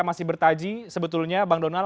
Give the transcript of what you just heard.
masih bertaji sebetulnya bang donald